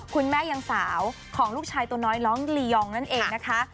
คุณแม่ยังสาวของลูกชายตัวน้อยน้องลียองนั่นเองนะคะ